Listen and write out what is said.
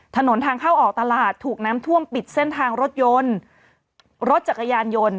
ถนนทางเข้าออกตลาดถูกน้ำท่วมปิดเส้นทางรถยนต์รถจักรยานยนต์